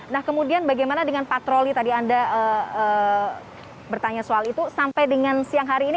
nah kemudian bagaimana dengan patroli tadi anda bertanya soal itu sampai dengan siang hari ini